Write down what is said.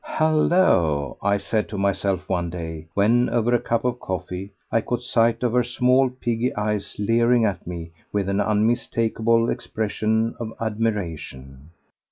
"Hallo!" I said to myself one day, when, over a cup of coffee, I caught sight of her small, piggy eyes leering at me with an unmistakable expression of admiration.